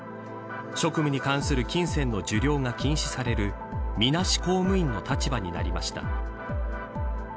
職務に関する金銭の受領が禁止されるみなし公務員の立場になりました。